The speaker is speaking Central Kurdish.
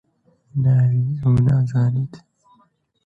ناوی ئەو نازانیت؟